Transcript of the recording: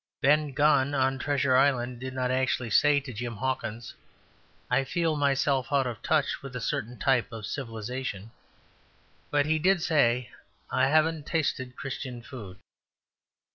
Ben Gunn on Treasure Island did not actually say to Jim Hawkins, "I feel myself out of touch with a certain type of civilization"; but he did say, "I haven't tasted Christian food."